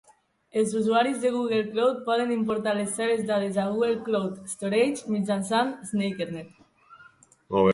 Els usuaris de Google Cloud poden importar les seves dades a Google Cloud Storage mitjançant sneakernet.